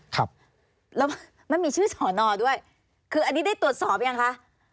ครับแล้วมันมีชื่อสอนอด้วยคืออันนี้ได้ตรวจสอบยังคะ